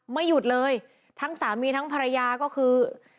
ไม่หยุดเลยทั้งสามีทั้งภรรยาก็คือ